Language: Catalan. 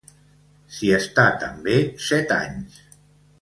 S'hi està també set anys.